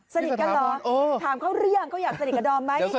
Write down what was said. สนิทกันเหรอถามเขาหรือยังเขาอยากสนิทกับดอมไหม